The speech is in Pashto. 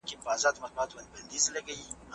پر خاوند باندي دا واجب نده، چي حتمي دي هغه په سفربوزي.